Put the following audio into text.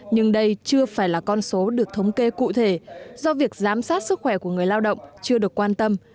nhưng đây chưa phải là con số được thống kê cụ thể do việc giám sát sức khỏe của người lao động chưa được quan tâm